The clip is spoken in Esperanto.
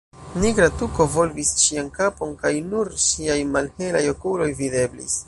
Nigra tuko volvis ŝian kapon kaj nur ŝiaj malhelaj okuloj videblis.